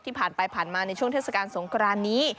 ผ่านไปผ่านมาในช่วงเทศกาลสงครานนี้